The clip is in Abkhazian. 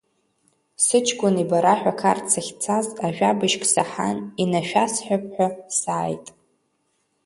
Сыҷкәын ибараҳәа Қарҭ сахьцаз, ажәабжьк саҳан инашәасҳәап ҳәа сааит.